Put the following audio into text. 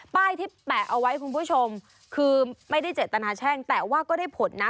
ป้ายที่แปะเอาไว้คุณผู้ชมคือไม่ได้เจตนาแช่งแต่ว่าก็ได้ผลนะ